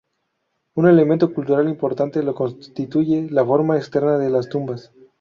Un elemento cultural importante lo constituye la forma externa de las tumbas.